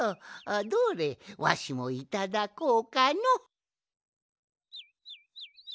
どれわしもいただこうかの。